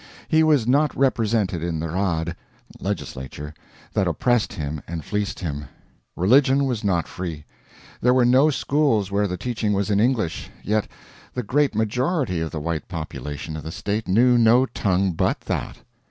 He was not represented in the Raad (legislature) that oppressed him and fleeced him. Religion was not free. There were no schools where the teaching was in English, yet the great majority of the white population of the State knew no tongue but that.